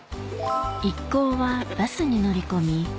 一行はバスに乗り込み